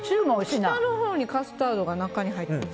下のほうにカスタードが入ってる。